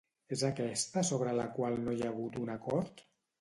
És aquesta sobre la qual no hi ha hagut un acord?